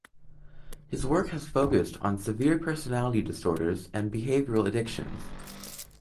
His work has focused on severe personality disorders and behavioral addictions.